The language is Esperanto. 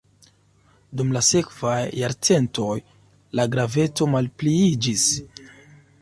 Dum la sekvaj jarcentoj la graveco malpliiĝis.